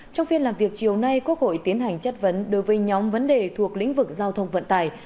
trong phiên làm việc chiều nay quốc hội tiến hành chất vấn đối với nhóm vấn đề thuộc lĩnh vực giao thông vận tải